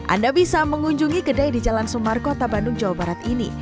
anda bisa mengunjungi kedai di jalan sumar kota bandung jawa barat ini